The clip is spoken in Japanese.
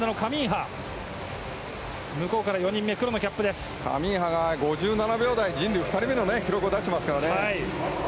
カミンハが５５秒台、２人目の記録を出してますからね。